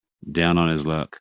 Down on his luck.